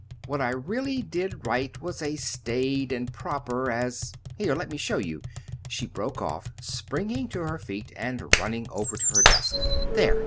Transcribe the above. "What I really did write was as staid and proper as here, let me show you," she broke off, springing to her feet and running over to her desk. "There!